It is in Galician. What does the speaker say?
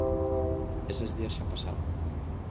Eses días xa pasaron.